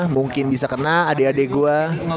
mungkin bisa kena adik adik gue